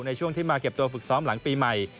ในช่วงที่มาเก็บตัวฝึกซ้อมหลังปีใหม่